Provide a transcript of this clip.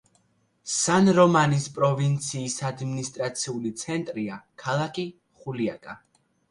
სან-რომანის პროვინციის ადმინისტრაციული ცენტრია ქალაქი ხულიაკა.